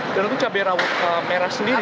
dan untuk cabai rawit merah sendiri